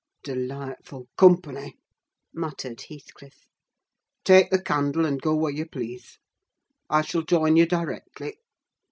"Delightful company!" muttered Heathcliff. "Take the candle, and go where you please. I shall join you directly.